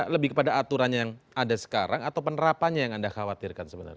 lebih kepada aturan yang ada sekarang atau penerapannya yang anda khawatirkan sebenarnya